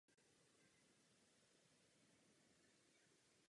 Druhý poločas nabídl skvělou fotbalovou podívanou.